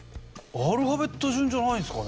アルファベット順じゃないんですかね？